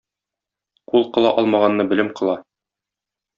Кул кыла алмаганны, белем кыла.